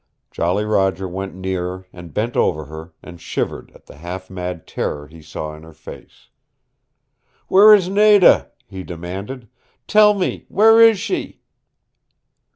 Jolly Roger went nearer and bent over her and shivered at the half mad terror he saw in her face. "Where is Nada?" he demanded. "Tell me where is she?"